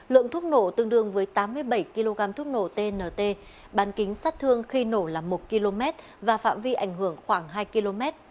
lượng thuốc nổ tương đương với tám mươi bảy kg thuốc nổ tnt bán kính sát thương khi nổ là một km và phạm vi ảnh hưởng khoảng hai km